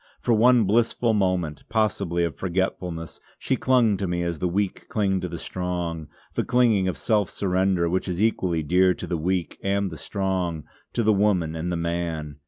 For one blissful moment, possibly of forgetfulness, she clung to me as the weak cling to the strong, the clinging of self surrender which is equally dear to the weak and the strong, to the woman and the man.